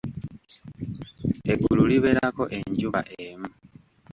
Eggulu libeerako enjuba emu.